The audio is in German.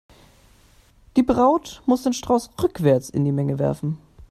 Die Braut muss den Strauß rückwärts in die Menge werfen.